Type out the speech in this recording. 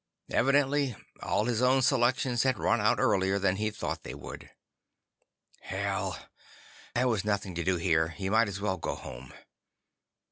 Evidently all of his own selections had run out earlier than he'd thought they would. Hell! There was nothing to do here. He might as well go home.